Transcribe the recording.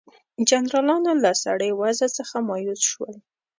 جنرالانو له سړې وضع څخه مایوس شول.